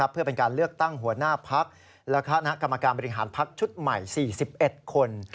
เพื่อเป็นการเลือกตั้งหัวหน้าพักและคณะกรรมการบริหารพักชุดใหม่๔๑คน